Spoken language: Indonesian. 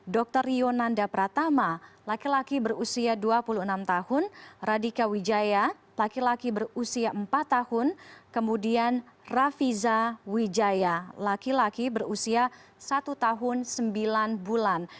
dr yonanda pratama laki laki berusia dua puluh enam tahun radikal wijaya laki laki berusia empat tahun kemudian rafiza wijaya laki laki berusia satu tahun sembilan bulan